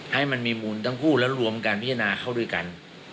ให้มันมีมูลทั้งคู่แล้วรวมการพิจารณาเข้าด้วยกัน